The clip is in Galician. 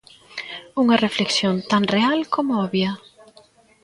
Unha reflexión tan real como obvia.